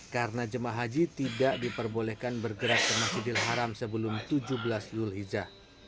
karena jemaah haji tidak diperbolehkan bergerak ke masjidil haram sebelum tujuh belas julhiza